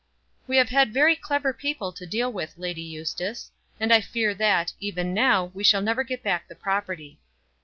"We have had very clever people to deal with, Lady Eustace; and I fear that, even now, we shall never get back the property."